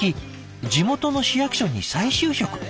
地元の市役所に再就職。